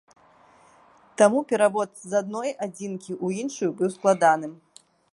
Таму перавод з адной адзінкі ў іншую быў складаным.